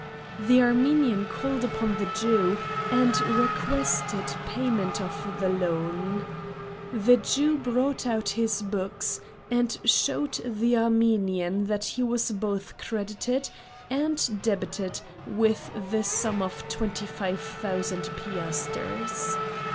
The Armenian called upon the Jew, and requested payment of the loan. The Jew brought out his books and showed the Armenian that he was both credited and debited with the sum of twenty five thousand piasters.